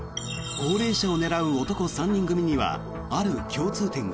高齢者を狙う男３人組にはある共通点が。